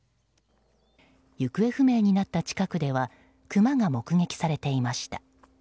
行方不明になった近くではクマが目撃されていました。